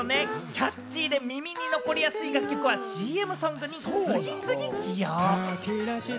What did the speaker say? キャッチーで耳に残りやすい楽曲はＣＭソングに次々起用。